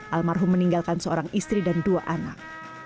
al marhum meninggalkan seorang istri dan dua anak